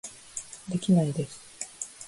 できないです